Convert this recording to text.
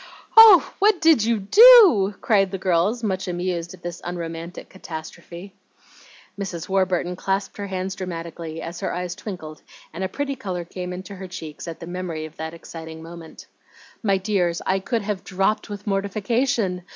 "Oh, what DID you do?" cried the girls, much amused at this unromantic catastrophe. Mrs. Warburton clasped her hands dramatically, as her eyes twinkled and a pretty color came into her cheeks at the memory of that exciting moment. "My dears, I could have dropped with mortification!